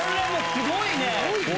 すごいよ。